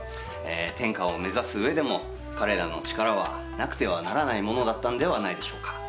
天下を目指す上でも彼らの力はなくてはならないものだったんではないでしょうか。